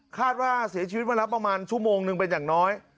คาดว่าเสียชีวิตมาแล้วประมาณชั่วโมงหนึ่งเป็นอย่างน้อย